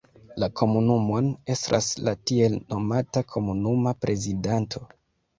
La komunumon estras la tiel nomata komunuma prezidanto.